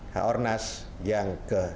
h o r n a s yang ke tiga puluh delapan